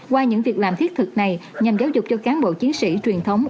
qua những việc làm thiết thực này nhằm giáo dục cho cán bộ chiến sĩ truyền thống